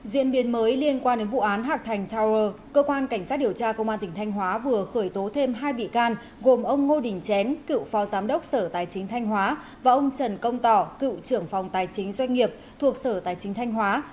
diễn biến mới liên quan đến vụ án hạc thành tower cơ quan cảnh sát điều tra công an tỉnh thanh hóa vừa khởi tố thêm hai bị can gồm ông ngô đình chén cựu phó giám đốc sở tài chính thanh hóa và ông trần công tỏ cựu trưởng phòng tài chính doanh nghiệp thuộc sở tài chính thanh hóa